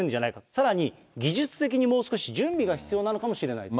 さらに技術的にもう少し準備が必要なのかもしれないと。